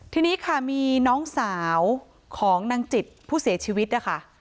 ทีนี้ค่ะมีน้องสาวของนางจิตผู้เสียชีวิตนะคะ